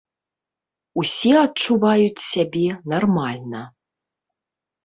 Усе адчуваюць сябе нармальна.